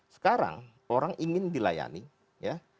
sekarang orang ingin dilayani ya